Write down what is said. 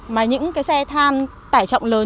mà những xe than tải trọng lớn